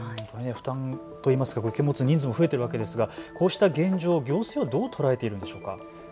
負担といいますか、受け持つ人数も増えるわけですがこうした現状を行政はどう捉えているんでしょうか。